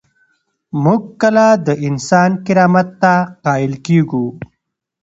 موږ کله د انسان کرامت ته قایل کیږو؟